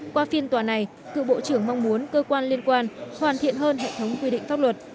qua phiên tòa này cựu bộ trưởng mong muốn cơ quan liên quan hoàn thiện hơn hệ thống quy định pháp luật